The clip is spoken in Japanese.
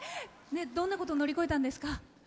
どんなことを乗り越えたんですか？